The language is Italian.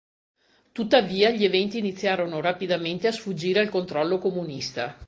Tuttavia gli eventi iniziarono rapidamente a sfuggire al controllo comunista.